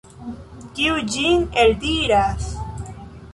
Kiu ĝin eldiras?